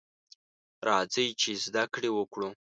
راځئ ! چې زده کړې وکړو.